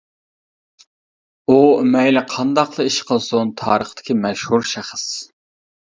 ئۇ مەيلى قانداقلا ئىش قىلسۇن تارىختىكى مەشھۇر شەخس.